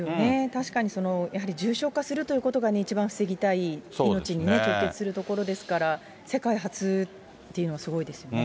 確かに、やはり重症化するということが一番防ぎたい、命にね、直結するところですから、世界初っていうのがすごいですよね。